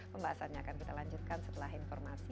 pembahasannya akan kita lanjutkan setelah informasi